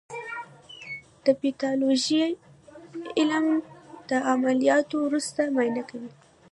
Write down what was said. د پیتالوژي علم د عملیاتو وروسته معاینه کوي.